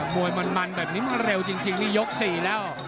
มวยมันแบบนี้มันเร็วจริงนี่ยก๔แล้ว